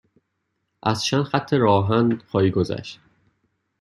از چند خط راه آهن خواهی گذشت.